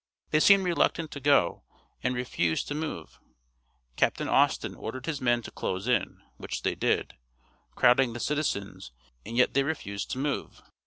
They seemed reluctant to go, and refused to move. Capt. Austin ordered his men to close in, which they did crowding the citizens and yet they refused to move.